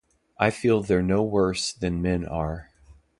I feel they're no worse than men are.